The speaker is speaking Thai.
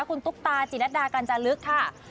คุณตุ๊กตาจิรัตดากัญจาลึกค่ะ